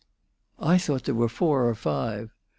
"I thought there were four or five.